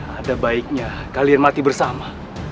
ada baiknya kalian mati bersama